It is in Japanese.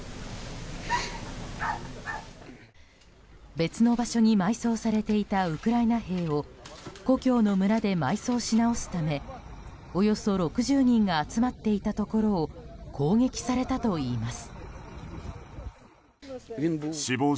別の場所に埋葬されていたウクライナ兵を故郷の村で埋葬し直すためおよそ６０人が集まっていたところを攻撃されたといいます。